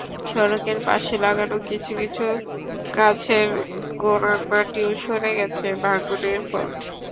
সড়কের পাশে লাগানো কিছু কিছু গাছের গোড়ার মাটিও সরে গেছে ভাঙনের ফলে।